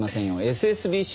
ＳＳＢＣ